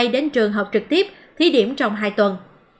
đến trường học trực tiếp thí điểm trong hai tuần